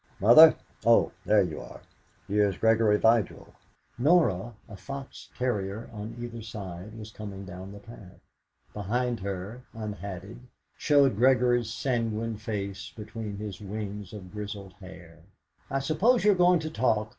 "Mother! Oh, there you are! Here's Gregory Vigil!" Norah, a fox terrier on either side, was coming down the path; behind her, unhatted, showed Gregory's sanguine face between his wings of grizzled hair. "I suppose you're going to talk.